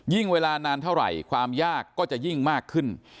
เวลานานเท่าไหร่ความยากก็จะยิ่งมากขึ้น